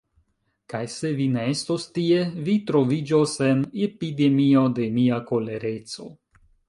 Kaj se vi ne estos tie, vi troviĝos en epidemio de mia kolereco.